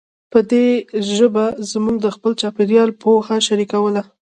په دې ژبه موږ د خپل چاپېریال پوهه شریکوله.